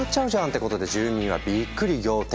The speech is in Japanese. ってことで住民はびっくり仰天。